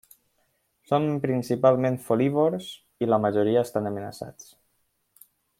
Són principalment folívors i la majoria estan amenaçats.